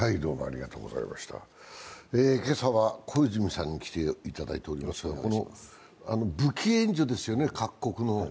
今朝は小泉さんに来ていただいておりますが、武器援助ですよね、各国の。